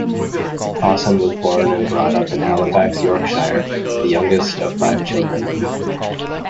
Pawson was born and brought up in Halifax, Yorkshire, the youngest of five children.